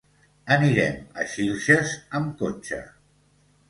Anirem a Xilxes amb cotxe.